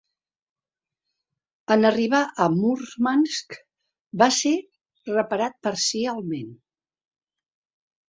En arribar a Murmansk, va ser reparat parcialment.